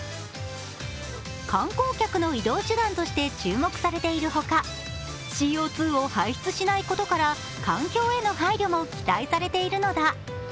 観光客の移動手段として注目されているほか、ＣＯ２を排出しないことから環境への配慮も期待されているのだ。